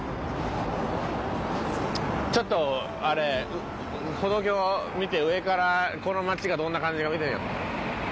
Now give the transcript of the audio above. ちょっとあれ歩道橋見て上からこの街がどんな感じか見てみよう。